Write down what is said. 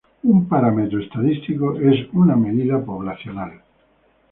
Un parámetro estadístico es una medida poblacional.